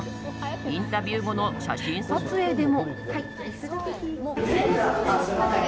インタビュー後の写真撮影でも。